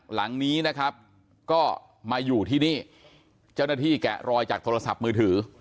หลังนี้นะครับก็มาอยู่ที่นี่เจ้าหน้าที่แกะรอยจากโทรศัพท์มือถือ